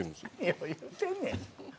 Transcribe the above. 何を言うてんねん。